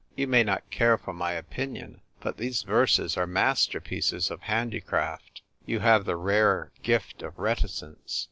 "You may not care for my opinion ; but these verses are masterpieces of handicraft. You have the rare gift of reticence.